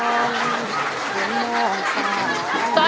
มั่นใจมั่นก็ตอบได้